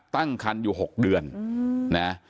ตั้งคันอยู่๖เดือนนะ